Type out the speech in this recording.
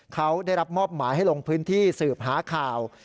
เขาได้รับมอบหมายให้ลงพื้นที่สืบหาข่าว